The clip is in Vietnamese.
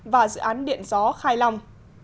và dự án điện gió khai long